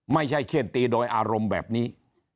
ไม่ใช่เขี้ยนตีโดยอารมณ์แบบนี้